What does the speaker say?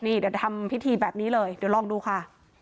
นี่เดี๋ยวทำพิธีแบบนี้เลยเดี๋ยวลองดูค่ะ